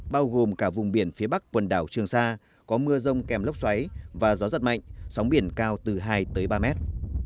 bao gồm cả vùng biển phía bắc quần đảo trường sa có mưa rông kèm lốc xoáy và gió giật mạnh sóng biển cao từ hai tới ba mét